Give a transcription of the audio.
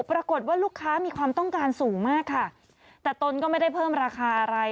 ปรากฏว่าลูกค้ามีความต้องการสูงมากค่ะแต่ตนก็ไม่ได้เพิ่มราคาอะไร